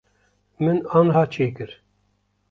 Min aniha çêkir.